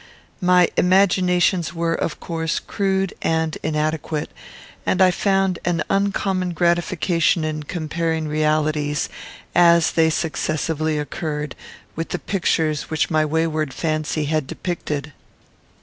My imaginations were, of course, crude and inadequate; and I found an uncommon gratification in comparing realities, as they successively occurred, with the pictures which my wayward fancy had depicted.